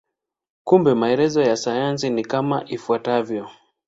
Kumbe maelezo ya sayansi ni kama ifuatavyo.